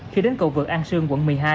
khi đến cầu vượt an sương quận một mươi hai